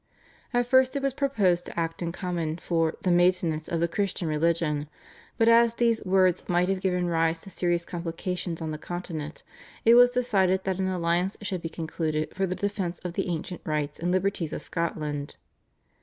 At first it was proposed to act in common for "the maintenance of the Christian religion," but as these words might have given rise to serious complications on the Continent, it was decided that an alliance should be concluded for the defence of the ancient rights and liberties of Scotland.